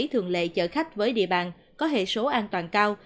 thường lệ chở khách với địa bàn có hệ số an toàn cao